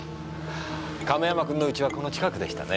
亀山君の家はこの近くでしたね。